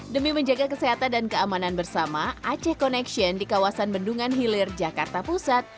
demi menjaga kesehatan dan keamanan bersama aceh connection di kawasan bendungan hilir jakarta pusat